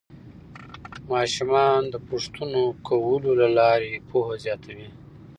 ماشومان د پوښتنو کولو له لارې پوهه زیاتوي